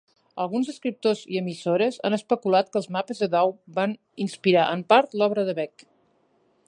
Alguns escriptors i emissores han especulat que els mapes de Dow van inspirar, en part, l'obra de Beck.